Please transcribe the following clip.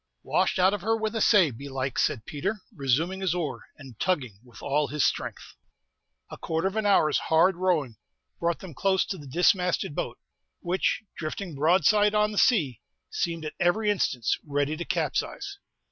"Washed out of her with a say, belike," said Peter, resuming his oar, and tugging with all his strength. A quarter of an hour's hard rowing brought them close to the dismasted boat, which, drifting broadside on the sea, seemed at every instant ready to capsize.